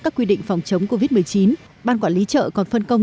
các quy định phòng chống covid một mươi chín ban quản lý chợ còn phân công